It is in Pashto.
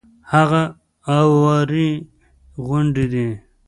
هغه اوارې غونډې دي.